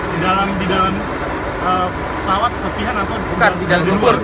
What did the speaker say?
di dalam pesawat sepihan atau di luar